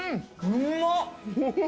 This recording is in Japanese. うまっ！